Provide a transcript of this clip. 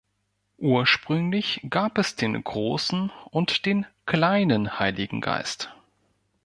Ursprünglich gab es den "Großen" und den "Kleinen Heiligen Geist".